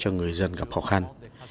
những người dân gặp khó khăn